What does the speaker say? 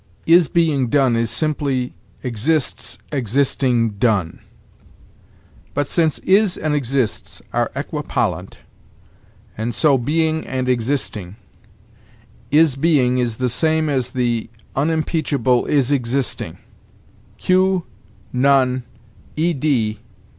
Is being done is simply exists existing done.' But, since is and exists are equipollent, and so being and existing, is being is the same as the unimpeachable is existing. Q. non E. D.